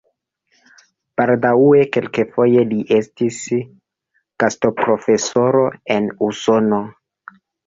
Baldaŭe kelkfoje li estis gastoprofesoro en Usono.